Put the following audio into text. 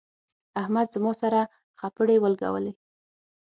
احمد زما سره خپړې ولګولې.